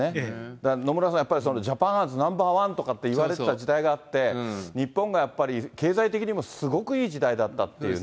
だから野村さん、ジャパン・アズ・ナンバーワンといわれてた時代があって、日本がやっぱり、経済的にもすごくいい時代だったっていうね。